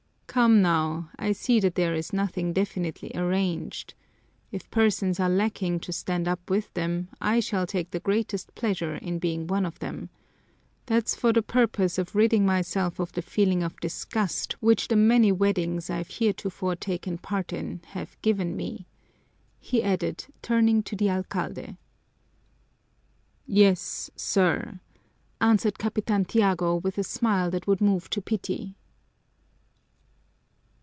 "Come now, I see that there is nothing definitely arranged. If persons are lacking to stand up with them, I shall take the greatest pleasure in being one of them. That's for the purpose of ridding myself of the feeling of disgust which the many weddings I've heretofore taken part in have given me," he added, turning to the alcalde. "Yes, sir," answered Capitan Tiago with a smile that would move to pity.